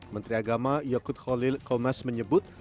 menteri agama yacud khalil qomas menyebut